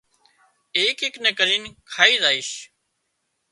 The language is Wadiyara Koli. ايڪ ايڪ نين ڪرين کائي زائيش